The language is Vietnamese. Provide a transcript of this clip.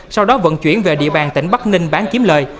sau đó vận chuyển về địa bàn tỉnh bắc ninh bán kiếm lời